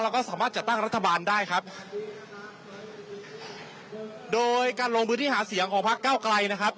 แล้วก็สามารถจัดตั้งรัฐบาลได้ครับโดยการลงพื้นที่หาเสียงของพักเก้าไกลนะครับ